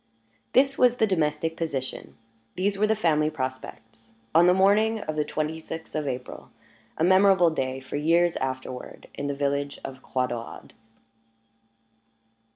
This was the domestic position, these were the family prospects, on the morning of the twenty sixth of April a memorable day, for years afterward, in the village of Croix Daurade.